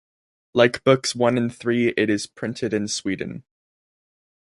Like books One and Three it is printed in Sweden.